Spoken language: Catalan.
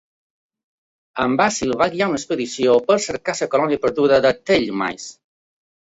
En Basil va guiar una expedició per buscar la colònia perduda de Tellmice.